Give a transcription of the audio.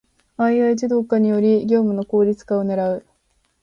ⅱ 自動化により業務の効率化を狙う